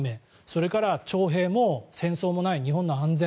それから徴兵も戦争もない日本の安全